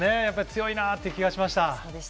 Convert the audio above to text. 強いなという気がしました。